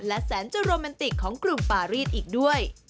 และแสนจะโรแมนติกของกลุ่มปารีสอีกด้วย